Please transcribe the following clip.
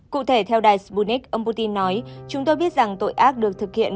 cụ thể theo đài spunik ông putin nói chúng tôi biết rằng tội ác được thực hiện